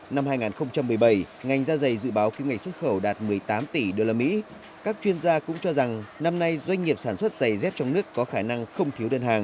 năm hai nghìn một mươi bảy ngành ra giày dự báo kiếm ngành xuất khẩu đạt một mươi tám tỷ usd